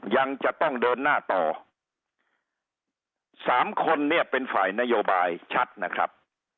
ยังจะต้องเดินหน้าต่อสามคนเนี่ยเป็นฝ่ายนโยบายชัดนะครับ